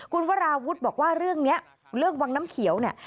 คุณวราวุฒิบอกว่าเรื่องนี้เรื่องวังน้ำเขียวเนี่ย